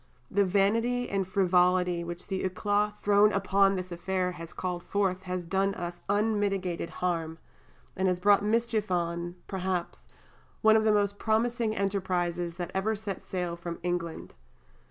The vanity and frivolity which the éclat thrown upon this affair has called forth has done us unmitigated harm, and has brought mischief on (perhaps) one of the most promising enterprises that ever set sail from England.